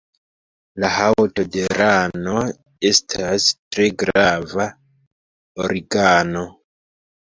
La haŭto de rano estas tre grava organo.